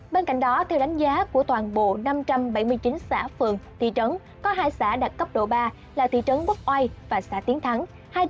bên cạnh đó theo đánh giá của toàn bộ năm trăm bảy mươi chín xã phường thị trấn có hai xã đạt cấp độ ba là thị trấn bốc oai và xã tiến thắng